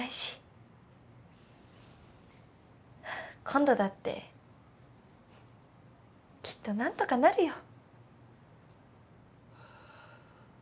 今度だってきっと何とかなるよ。